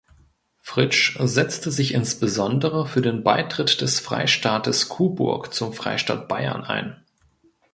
Fritsch setzte sich insbesondere für den Beitritt des Freistaates Coburg zum Freistaat Bayern ein.